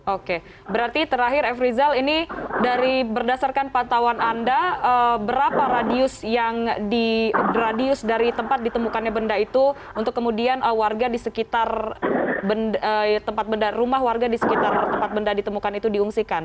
oke berarti terakhir f rizal ini berdasarkan pantauan anda berapa radius dari tempat ditemukannya benda itu untuk kemudian rumah warga di sekitar tempat benda ditemukan itu diungsikan